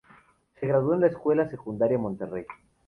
Se graduó en la escuela secundaria Monterrey.